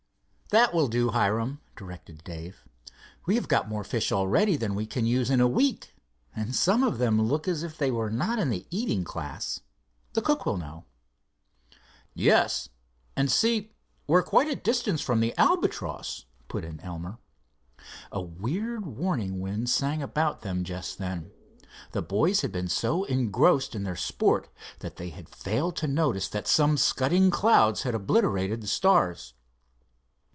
"That will do, Hiram," directed Dave. "We have got more fish already than we can use in a week, and some of them look as if they were not in the eating class. The cook will know." "Yes, and see, we are quite a distance from the Albatross," put in Elmer. A weird warning wind sang about them just then. The boys had been so engrossed in their sport they had failed to notice that some scudding clouds had obliterated the stars.